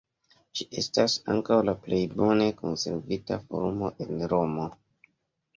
Ĝi estas ankaŭ la plej bone konservita forumo en Romo.